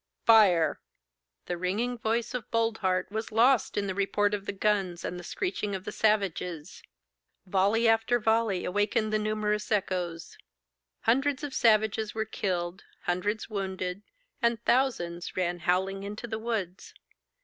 'Fire!' The ringing voice of Boldheart was lost in the report of the guns and the screeching of the savages. Volley after volley awakened the numerous echoes. Hundreds of savages were killed, hundreds wounded, and thousands ran howling into the woods.